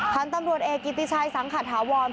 ทางตำรวจเอกิติชัยสังขาดฐาวร